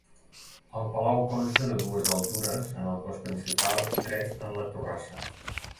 El palau consta de dues altures en el cos principal i tres en la torrassa.